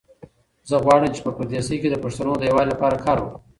زه غواړم چې په پردیسۍ کې د پښتنو د یووالي لپاره کار وکړم.